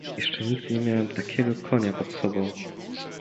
"Jeszcze nigdy nie miałem takiego konia pod sobą."